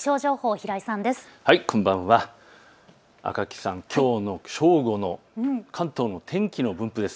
赤木さん、きょうの正午の関東の天気の分布です。